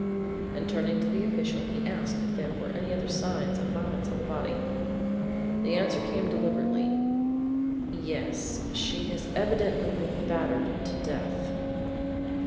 And turning to the official he asked if there were any other signs of violence on the body. The answer came deliberately, "Yes, she has evidently been battered to death."